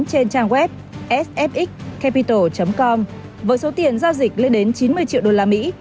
trên trang web sfxcapitals com với số tiền giao dịch lên đến chín mươi triệu đô la mỹ